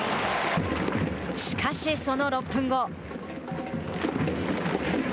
しかし、その６分後。